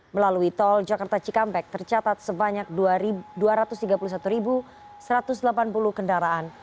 melalui tol jakarta cikampek tercatat sebanyak dua ratus tiga puluh satu satu ratus delapan puluh kendaraan